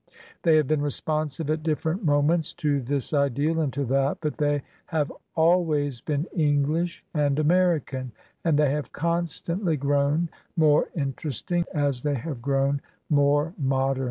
They have been responsive at different mo ments to this ideal and to that, but they have always been EngUsh and American; and they have constant ly grown more interesting as they have grown more modem.